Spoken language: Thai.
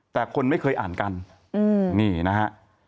แต่คนไม่เคยอ่านกันนี่นะฮะ